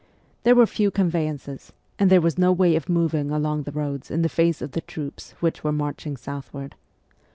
There were few conveyances, and there was no way of moving along the roads in face of the troops which were marching southward.